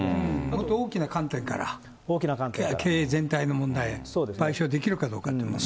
もっと大きな観点から、経営全体の問題で、賠償できるかどうかというね。